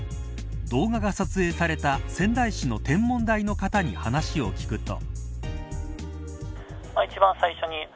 動画が撮影された仙台市の天文台の方に話を聞くと。